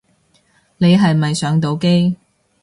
你係咪上到機